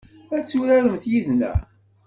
Ad turarem yid-neɣ?